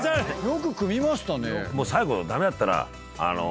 よく組みましたね。